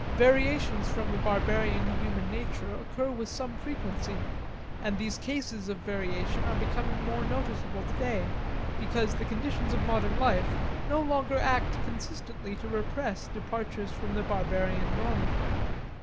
Variations from the barbarian human nature occur with some frequency, and these cases of variation are becoming more noticeable today, because the conditions of modern life no longer act consistently to repress departures from the barbarian normal.